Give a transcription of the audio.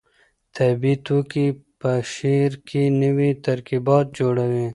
طبیعي توکي په شعر کې نوي ترکیبات جوړوي.